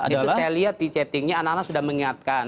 itu saya lihat di chattingnya anak anak sudah mengingatkan